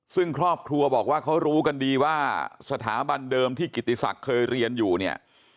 ซึ่งครอบครัวบอกว่าเขารู้กันดีว่าสถาบันเดิมที่กิติศักดิ์เคยเรียนอยู่เนี่ย